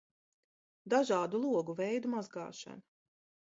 Dažādu logu veidu mazgāšana